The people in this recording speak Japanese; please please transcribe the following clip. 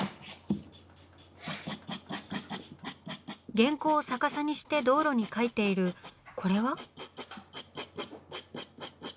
原稿を逆さにして道路に描いているこれは？